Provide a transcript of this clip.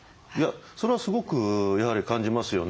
それはすごくやはり感じますよね。